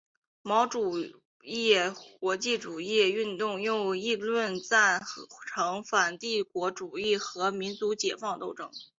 毛主义国际主义运动用舆论赞成反帝国主义和民族解放斗争。